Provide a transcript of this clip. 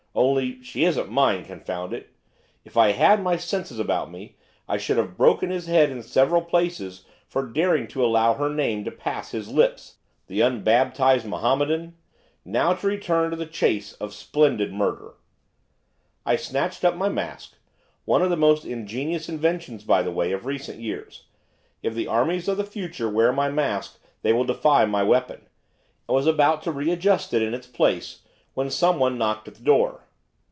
only she isn't mine, confound it! if I had had my senses about me, I should have broken his head in several places for daring to allow her name to pass his lips, the unbaptised Mohammedan! Now to return to the chase of splendid murder!' I snatched up my mask one of the most ingenious inventions, by the way, of recent years; if the armies of the future wear my mask they will defy my weapon! and was about to re adjust it in its place, when someone knocked at the door.